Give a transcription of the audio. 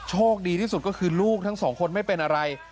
โชคดีที่สุดก็คือลูกทั้งสองคนไม่เป็นอะไร